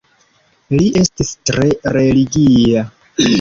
Li estis tre religia.